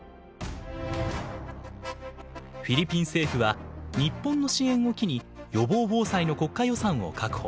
フィリピン政府は日本の支援を機に予防防災の国家予算を確保。